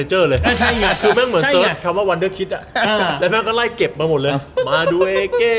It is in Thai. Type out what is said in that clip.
จะปลอดภัย